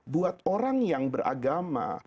buat orang yang beragama